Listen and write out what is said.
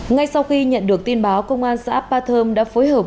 ngay sau khi nhận được tin báo công an xã ba thơm đã phối hợp